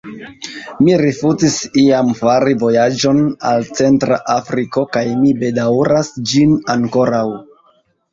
Mi rifuzis iam fari vojaĝon al Centra Afriko, kaj mi bedaŭras ĝin ankoraŭ.